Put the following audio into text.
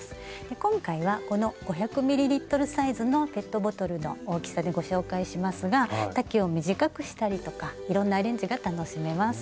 今回はこの５００ｍサイズのペットボトルの大きさでご紹介しますが丈を短くしたりとかいろんなアレンジが楽しめます。